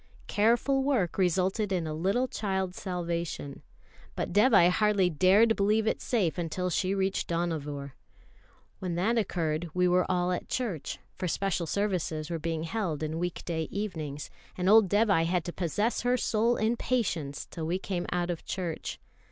Careful work resulted in a little child's salvation; but Dévai hardly dared believe it safe until she reached Dohnavur. When that occurred we were all at church; for special services were being held in week day evenings, and old Dévai had to possess her soul in patience till we came out of church.